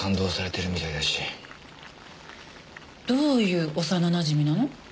どういう幼なじみなの？